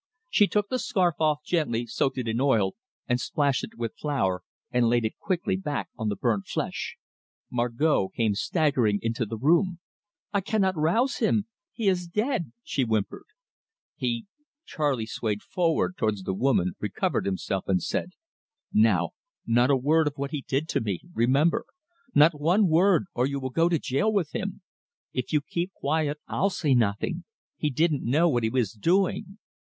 She took the scarf off gently, soaked it in oil and splashed it with flour, and laid it quickly back on the burnt flesh. Margot came staggering into the room. "I cannot rouse him. I cannot rouse him. He is dead! He is dead!" she whimpered. "He " Charley swayed forward towards the woman, recovered himself, and said: "Now not a word of what he did to me, remember. Not one word, or you will go to jail with him. If you keep quiet, I'll say nothing. He didn't know what he was doing."